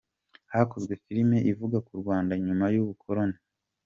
Hakozwe filimi ivuga ku Rwanda nyuma y’ubukoloni